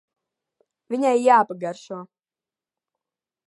Viņai jāpagaršo.